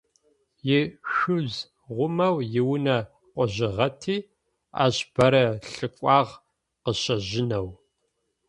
Ишъуз гъумэу иунэ кӏожьыгъэти ащ бэрэ лъыкӏуагъ къыщэжьынэу.